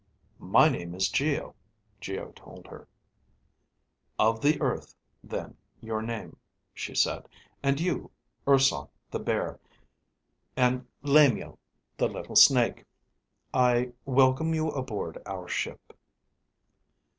"My name is Geo," Geo told her. "Of the Earth, then, your name," she said. "And you, Urson, the bear. And Lamio, the little Snake. I welcome you aboard our ship."